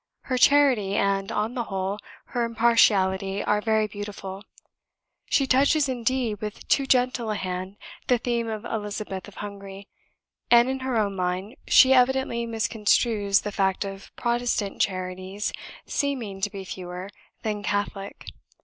Her charity and (on the whole) her impartiality are very beautiful. She touches, indeed, with too gentle a hand the theme of Elizabeth of Hungary; and, in her own mind, she evidently misconstrues the fact of Protestant charities SEEMING to be fewer than Catholic.